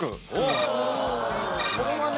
これはね。